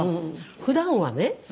「普段はね